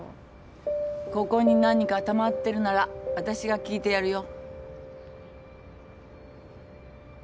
ここに何かたまってるならあたしが聞いてやるよ。